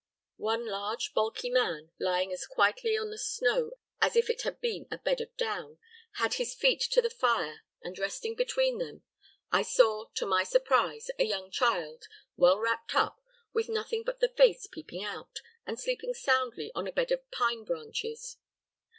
One large, bulky man, lying as quietly on the snow as if it had been a bed of down, had his feet to the fire, and, resting between them, I saw, to my surprise, a young child, well wrapped up, with nothing but the face peeping out, and sleeping soundly on a bed of pine branches.